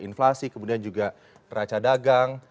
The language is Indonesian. inflasi kemudian juga raca dagang